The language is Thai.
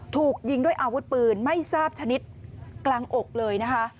ถูกยิงด้วยอาวุธปืนไม่ทราบชนิดกลางอกเลยนะคะ